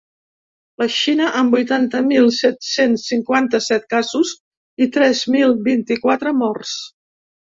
La Xina, amb vuitanta mil set-cents cinquanta-set casos i tres mil vint-i-quatre morts.